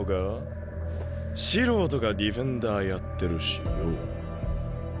素人がディフェンダーやってるしよ。